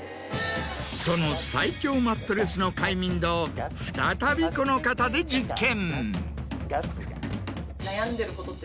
その最強マットレスの快眠度を再びこの方で実験。